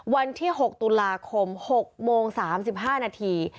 วันที่๖ตุลาคม๖โมง๓๕นาที